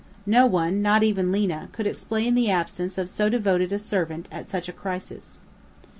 No one, not even Lina, could explain the absence of so devoted a servant at such a crisis.